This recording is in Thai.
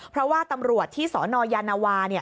เพราะว่าตำรวจที่สนยานวา